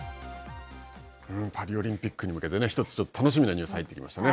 パリオリンピックに向けて１つ楽しみなニュースが入ってきましたね。